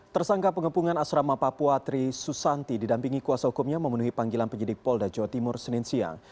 tersangka pengepungan asrama papua tri susanti didampingi kuasa hukumnya memenuhi panggilan penyidik polda jawa timur senin siang